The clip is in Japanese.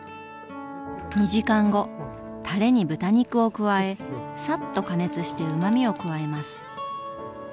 ２時間後タレに豚肉を加えサッと加熱してうまみを加えます。